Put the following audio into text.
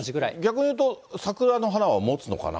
逆に言うと、桜の花はもつのかな。